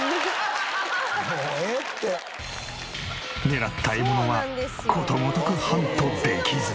狙った獲物はことごとくハントできず。